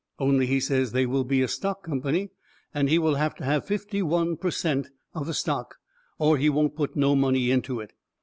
Only, he says, they will be a stock company, and he will have to have fifty one per cent. of the stock, or he won't put no money into it.